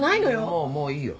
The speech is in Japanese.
もうもういいよ。